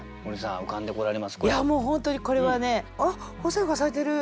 いやもう本当にこれはねあっ鳳仙花咲いてる！